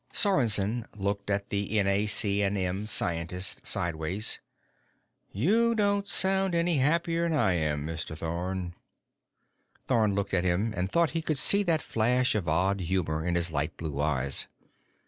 Sorensen looked at the NAC&M scientist sideways. "You don't sound any happier'n I am, Mr. Thorn." Thorn looked at him and thought he could see that flash of odd humor in his light blue eyes.